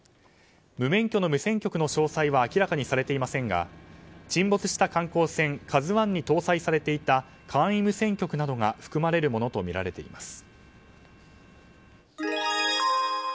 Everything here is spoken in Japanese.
無免許の無線局の詳細は明らかにされていませんが沈没した観光船「ＫＡＺＵ１」に搭載されていた簡易無線局などが含まれるものとみられています。